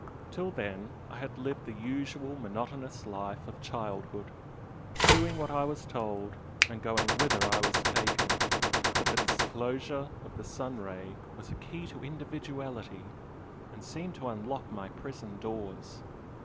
Till then I had lived the usual monotonous life of childhood, doing what I was told, and going whither I was taken, but the disclosure of the sun ray was a key to individuality, and seemed to unlock my prison doors.